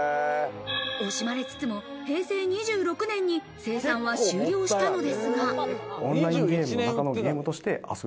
惜しまれつつも平成２６年に生産は終了したのですが。